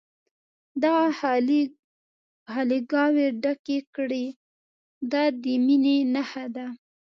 دغه خالي ګاوې ډکې کړي دا د مینې نښه ده.